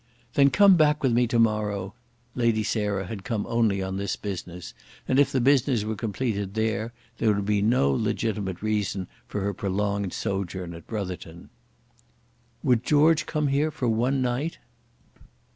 "Then come back with me to morrow." Lady Sarah had come only on this business, and if the business were completed there would be no legitimate reason for her prolonged sojourn at Brotherton. "Would George come here for one night."